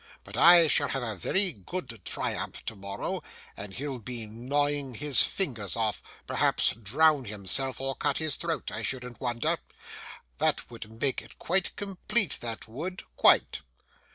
But I shall have a very good triumph tomorrow, and he'll be gnawing his fingers off: perhaps drown himself or cut his throat! I shouldn't wonder! That would make it quite complete, that would: quite.